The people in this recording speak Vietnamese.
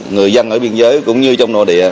người dân ở biên giới cũng như trong nội địa